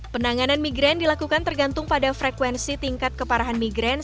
penanganan migraine dilakukan tergantung pada frekuensi tingkat keparahan migraine